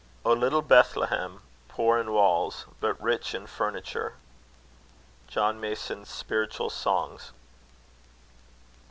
O little Bethlem! poor in walls, But rich in furniture. JOHN MASON'S Spiritual Songs.